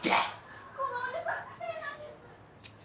このおじさん変なんです。